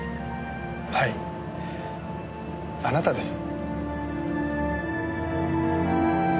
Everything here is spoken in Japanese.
はいあなたです。